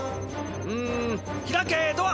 うーん開けドア！